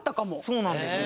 そうなんですよ